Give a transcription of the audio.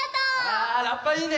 わラッパいいね。